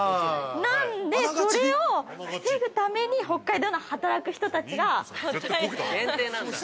なんで、これを防ぐために、北海道の働く人たちが。